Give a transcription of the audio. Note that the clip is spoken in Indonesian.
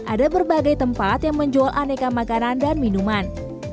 ada berbagai tempat yang menjual aneka makanan dan minuman